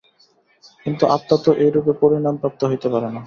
কিন্তু আত্মা তো এইরূপে পরিণাম-প্রাপ্ত হইতে পারে না।